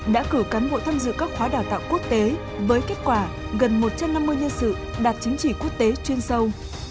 đã cử cán bộ tham dự các khóa đào tạo quốc tế với kết quả gần một trăm năm mươi nhân sự đạt chính trị quốc tế chuyên sâu